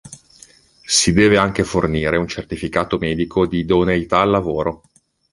Si deve anche fornire un certificato medico di idoneità al lavoro.